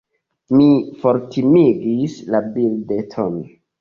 Mi fortimigis la birdeton.